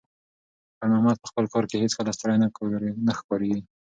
خیر محمد په خپل کار کې هیڅکله ستړی نه ښکارېده.